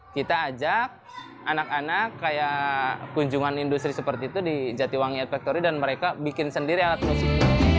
kita ajak anak anak kayak kunjungan industri seperti itu di jatiwangi art factory dan mereka bikin sendiri alat musik